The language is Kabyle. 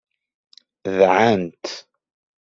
Dɛant.